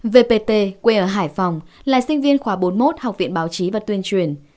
vpt quê ở hải phòng là sinh viên khóa bốn mươi một học viện báo chí và tuyên truyền